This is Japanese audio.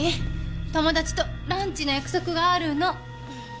友達とランチの約束があるの。